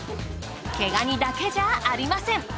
毛ガニだけじゃありません。